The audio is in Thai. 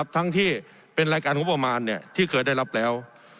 ที่เป็นรายการงบประมาณที่เคยได้รับแล้ว